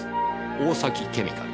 「大崎ケミカル」。